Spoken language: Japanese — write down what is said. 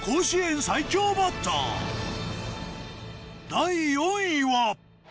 第４位は。